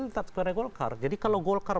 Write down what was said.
tetap sebagai golkar jadi kalau golkar